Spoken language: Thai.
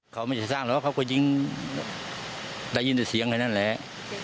เขาไม่ได้สร้างหรอกเขาก็ยิงได้ยินแต่เสียงอะไรนั่นแหละ